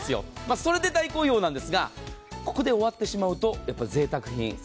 それで大好評なんですがここで終わってしまうとぜいたく品。